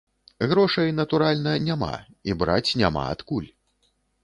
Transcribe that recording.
Грошай, натуральна, няма, і браць няма адкуль.